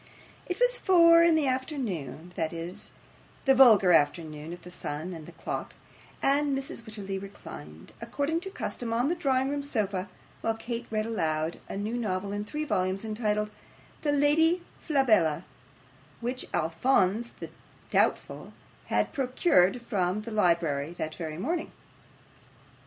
It was four in the afternoon that is, the vulgar afternoon of the sun and the clock and Mrs. Wititterly reclined, according to custom, on the drawing room sofa, while Kate read aloud a new novel in three volumes, entitled 'The Lady Flabella,' which Alphonse the doubtful had procured from the library that very morning.